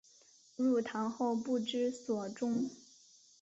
入唐后不知所终。